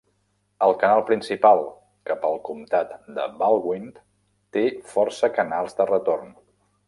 El canal principal cap al comtat del Baldwin té força canals de retorn.